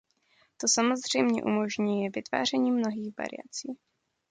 To samozřejmě umožňuje vytváření mnohých variací.